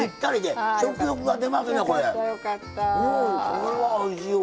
これはおいしいわ。